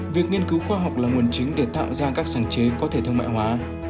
việc nghiên cứu khoa học là nguồn chính để tạo ra các sáng chế có thể thương mại hóa